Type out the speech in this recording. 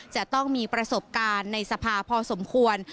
จะต้องมีประสบการณ์ในสภาพอสมควร